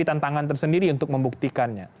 tentangkan tersendiri untuk membuktikannya